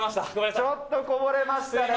ちょっとこぼれましたね。